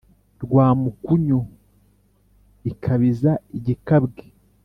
Rwamukunyu ikabiza igikabwe